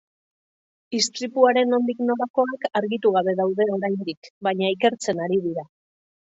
Istripuaren nondik norakoak argitu gabe daude oraindik, baina ikertzen ari dira.